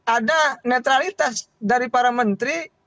ada netralitas dari para menteri